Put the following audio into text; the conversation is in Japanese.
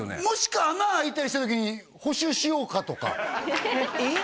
もしか穴開いたりした時に補修しようかとかえっ？